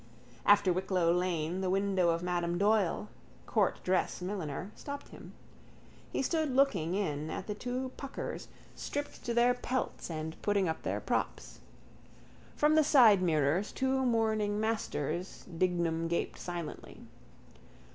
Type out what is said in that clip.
After Wicklow lane the window of Madame Doyle, courtdress milliner, stopped him. He stood looking in at the two puckers stripped to their pelts and putting up their props. From the sidemirrors two mourning Masters Dignam gaped silently.